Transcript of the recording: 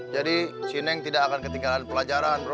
jadi sineng tidak akan ketinggalan pelajaran bro